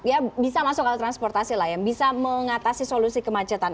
ya bisa masuk alat transportasi lah yang bisa mengatasi solusi kemacetan